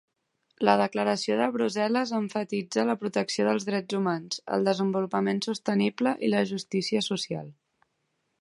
La declaració de Brussel·les emfatitza la protecció dels drets humans, el desenvolupament sostenible i la justícia social.